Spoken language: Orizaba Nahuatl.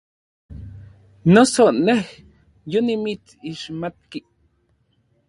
Noso nej yonimitsixmatki.